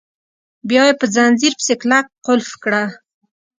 بیا یې په ځنځیر پسې کلک قلف کړه.